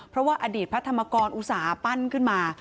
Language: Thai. เพราะว่าอดีตพระธรรมกรอุตส่าห์ปั้นขึ้นมา